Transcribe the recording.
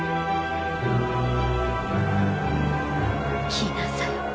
来なさい